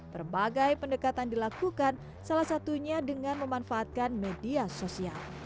berbagai pendekatan dilakukan salah satunya dengan memanfaatkan media sosial